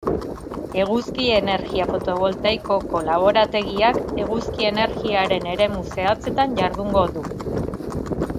Eguzki energia fotovoltaikoko laborategiak eguzki energiaren eremu zehatzetan jardungo du.